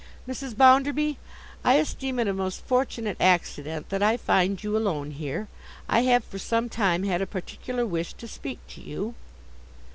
'Mrs. Bounderby, I esteem it a most fortunate accident that I find you alone here. I have for some time had a particular wish to speak to you.